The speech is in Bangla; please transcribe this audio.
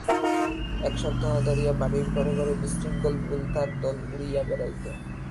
এক সপ্তাহ ধরিয়া বাড়ির ঘরে ঘরে বিশৃঙ্খল বোলতার দল উড়িয়া বেড়াইত।